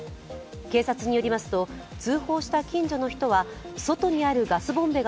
警察によりますと通報した近所の人は外にあるガスボンベが